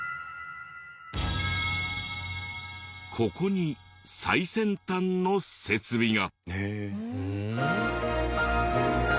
ここに最先端の設備が！